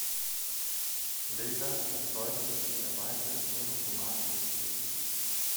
Laser erzeugen üblicherweise monochromatisches Licht.